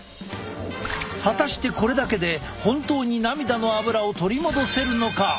果たしてこれだけで本当に涙のアブラを取り戻せるのか！？